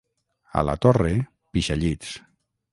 A la Torre, pixallits.